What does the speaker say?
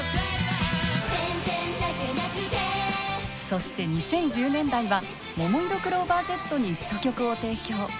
そして２０１０年代はももいろクローバーＺに詞と曲を提供。